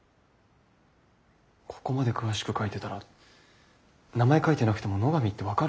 ここまで詳しく書いてたら名前書いてなくても野上って分かるな。